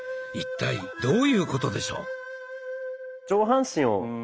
一体どういうことでしょう。